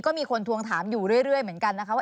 ก็มีคนทวงถามอยู่เรื่อยเหมือนกันนะคะว่า